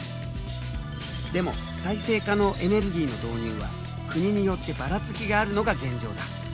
でも再生可能エネルギーの導入は国によってばらつきがあるのが現状だ。